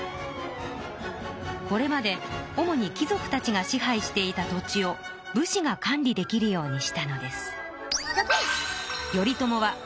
これまで主にき族たちが支配していた土地を武士が管理できるようにしたのです。